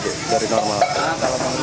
kalau pengusaya lima puluh persen